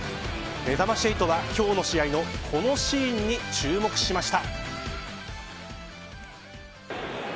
めざまし８は、今日の試合のこのシーンに注目しました。